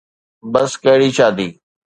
بس ڪهڙي شادي؟